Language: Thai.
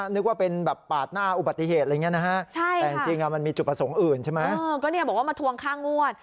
นึกว่าเป็นแบบปาดหน้าอุบัติเหตุอะไรเงี้ยนะฮะแต่จริงมันมีจุประสงค์อื่นใช่มั้ย